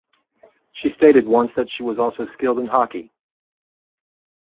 She stated once that she was also skilled in hockey.